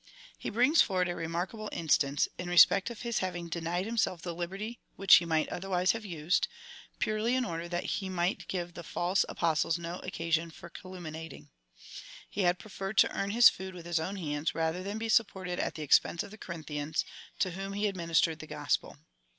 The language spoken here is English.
He brings forward a remarkable instance, in respect of his having denied himself the liberty which he might otherwise have used, purely in order that he might give the false Apostles no occasion for calumni ating. He had preferred to earn his food with his own hands, rather than be supported at the expense of the Co rinthians, to whom he administered the Gospel.